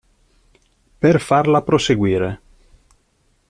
Per farla proseguire.